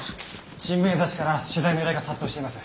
新聞や雑誌から取材の依頼が殺到しています。